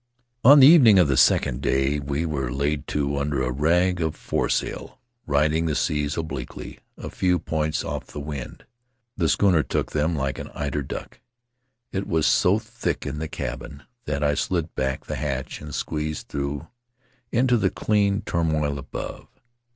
On the evening of the second day we were laid to under a rag of foresail, riding the seas obliquely, a few points off the wind. The schooner took them like an eider duck; it was so thick in the cabin that I slid back the hatch and squeezed through into the clean turmoil above.